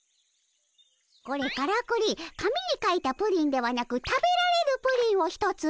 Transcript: これからくり紙に書いたプリンではなく食べられるプリンを１つの。